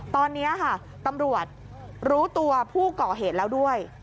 ตอนนี้ค่ะตำรวจรู้ตัวผู้ก่อเหตุแล้วด้วย